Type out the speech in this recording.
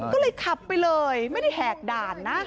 ก็เลยขับไปเลยไม่ได้แหกด่านนะ